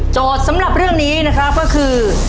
สำหรับเรื่องนี้นะครับก็คือ